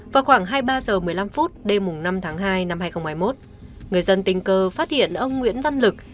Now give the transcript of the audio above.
vào khoảng hai mươi ba h một mươi năm đêm năm tháng hai năm hai nghìn hai mươi một người dân tình cờ phát hiện ông nguyễn văn lực